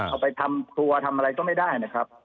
เอาไปทำครัวทำอะไรก็ไม่ได้นะครับ